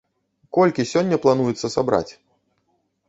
Колькі сёння плануецца сабраць?